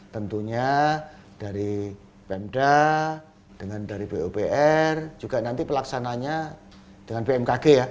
tentunya dari pemda dengan dari pupr juga nanti pelaksananya dengan bmkg ya